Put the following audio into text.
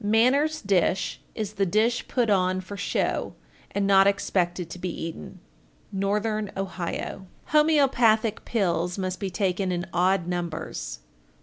_ 1410. "Manners dish" is the dish put on for show, and not expected to be eaten. Northern Ohio. 1411. Homoeopathic pills must be taken in odd numbers.